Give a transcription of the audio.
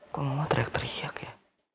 kok mama teriak teriak ya